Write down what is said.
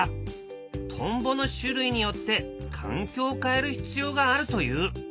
トンボの種類によって環境を変える必要があるという。